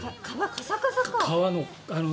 カサカサか。